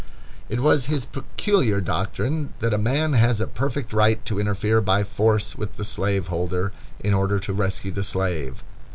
It was his peculiar doctrine that a man has a perfect right to interfere by force with the slaveholder, in order to rescue the slave.